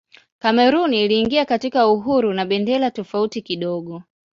Kamerun iliingia katika uhuru na bendera tofauti kidogo.